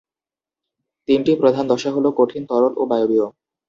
তিনটি প্রধান দশা হল কঠিন, তরল ও বায়বীয়।